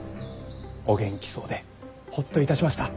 お元気そうでほっといたしました。